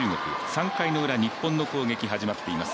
３回のウラ、日本の攻撃が始まっています。